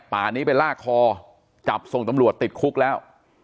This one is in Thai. ป่านี้ไปลากคอจับส่งตำรวจติดคุกแล้ว